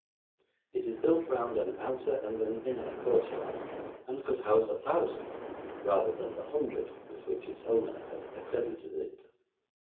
It is built round an outer and an inner courtyard and could house a thousand, rather than the hundred with which its owner had accredited it.